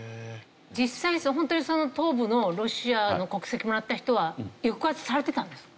実際に本当に東部のロシアの国籍もらった人は抑圧されてたんですか？